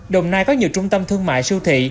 đồng nai có nhiều trung tâm thương mại siêu thị